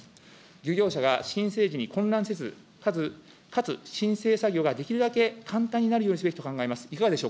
漁業者が申請時に混乱せず、かつ申請作業ができるだけ簡単になるようにすべきと考えます。